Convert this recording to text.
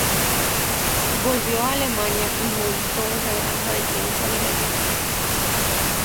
Volvió a Alemania y montó una granja de crianza de gallinas.